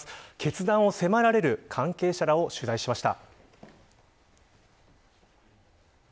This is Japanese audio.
決断を迫られる関係者らを取材しました。